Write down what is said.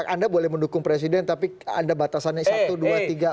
anda boleh mendukung presiden tapi ada batasannya satu dua tiga